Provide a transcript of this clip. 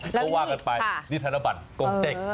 ก็ว่ากันไปนี่ธนบัตรกงเต็ก